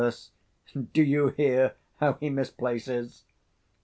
_ Do you hear how he misplaces?